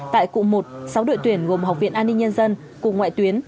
tại cụm một sáu đội tuyển gồm học viện an ninh nhân dân cùng ngoại tuyến